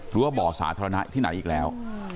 ว่าบ่อสาธารณะที่ไหนอีกแล้ว